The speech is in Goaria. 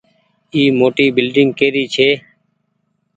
اي موٽي بلڌنگ ڪيري ڇي۔